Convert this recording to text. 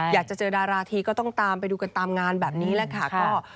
อยากจะเจอดาราทีก็ต้องตามไปดูกันตามงานแบบนี้แหละค่ะ